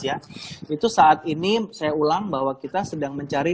itu saat ini saya ulang bahwa kita sedang mencari